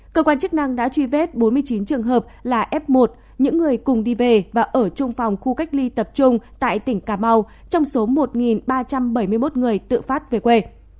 cơ quan chức năng đã truy vết bốn mươi chín trường hợp là f một những người cùng đi về và ở trung phòng khu cách ly tập trung tại tỉnh cà mau trong số một ba trăm bảy mươi một người tự phát về quê